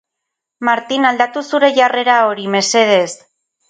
Martin, aldatu zure jarrera hori, mesedez!